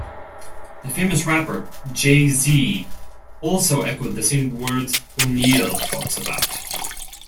The famous rapper, Jay Z also echoed the same words O'Neal talks about.